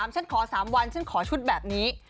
ฉันขอ๓วันฉันขอชุดแบบนี้